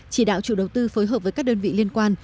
chỉ đạo chủ đầu tư phối hợp với các đơn vị liên quan